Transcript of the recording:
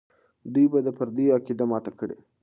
دوی به د پردیو عقیده ماته کړي.